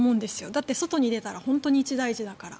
だって、外に出たら本当に一大事だから。